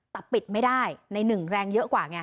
แต่ปิดไม่ได้ในหนึ่งแรงเยอะกว่าไง